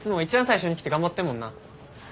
最初に来て頑張ってんもんな。